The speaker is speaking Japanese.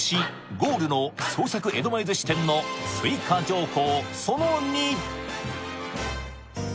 ゴールの創作江戸前寿司店の追加情報